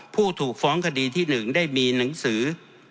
ผู้ถูกฟ้องคดีที่๑ได้มีหนังสือ